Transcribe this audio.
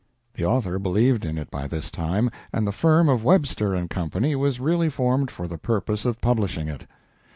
The author believed in it by this time, and the firm of Webster & Co. was really formed for the purpose of publishing it.